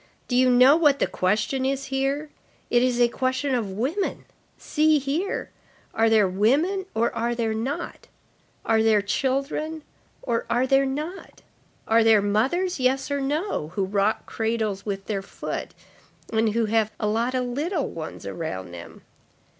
Do you know what the question is here? It is a question of women. See here. Are there women or are there not? Are there children or are there not? Are there mothers, yes or no, who rock cradles with their foot and who have a lot of little ones around them?